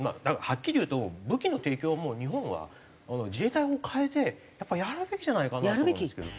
はっきり言うと武器の提供も日本は自衛隊法を変えてやっぱやるべきじゃないかなと思うんですけど。